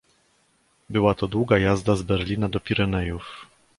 "Była to długa jazda z Berlina do Pirenejów."